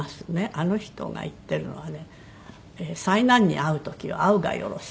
あの人が言ってるのはね「災難に逢ふ時は逢ふがよろし」。